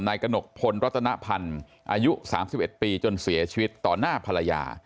กระหนกพลรัตนพันธ์อายุ๓๑ปีจนเสียชีวิตต่อหน้าภรรยา